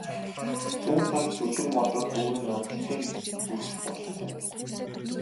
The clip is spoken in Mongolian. Зүүн талд зүлэг модоор дүүрэн амралтын бүс бололтой.